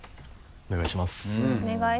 お願いします。